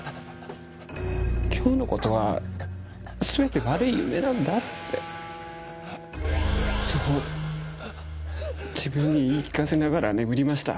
今日の事はすべて悪い夢なんだってそう自分に言い聞かせながら眠りました。